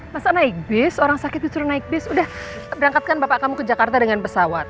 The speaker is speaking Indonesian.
masa naik bis orang sakit disuruh naik bis udah berangkatkan bapak kamu ke jakarta dengan pesawat